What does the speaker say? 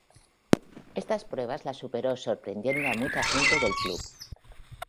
Estas pruebas las superó sorprendiendo a mucha gente del club.